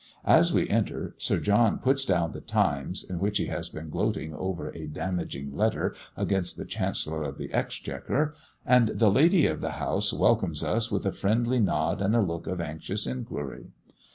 As we enter, Sir John puts down the Times, in which he has been gloating over a "damaging letter" against the Chancellor of the Exchequer; and the lady of the house welcomes us with a friendly nod and a look of anxious inquiry.